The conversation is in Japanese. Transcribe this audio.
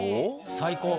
最高。